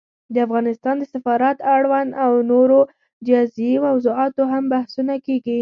د افغانستان د سفارت اړوند او نورو جزيي موضوعاتو هم بحثونه کېږي